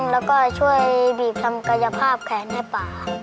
แล้วก็ช่วยบีบทำกายภาพแขนให้ป่า